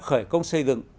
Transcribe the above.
khởi công xây dựng